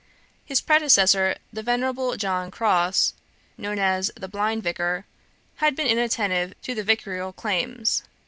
His predecessor, the venerable John Crosse, known as the 'blind vicar,' had been inattentive to the vicarial claims.